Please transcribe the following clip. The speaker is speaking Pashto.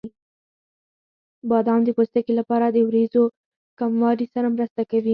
بادام د پوستکي لپاره د وریځو کموالي سره مرسته کوي.